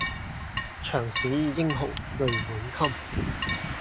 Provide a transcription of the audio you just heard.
長使英雄淚滿襟